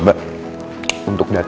rese hindung nervu kan